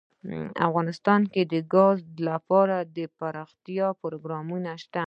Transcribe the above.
افغانستان کې د ګاز لپاره دپرمختیا پروګرامونه شته.